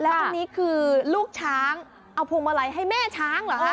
อันนี้คือลูกช้างเอาพวงมาลัยให้แม่ช้างเหรอคะ